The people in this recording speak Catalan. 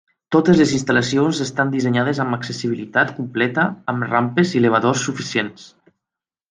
Totes les instal·lacions estan dissenyades amb accessibilitat completa amb rampes i elevadors suficients.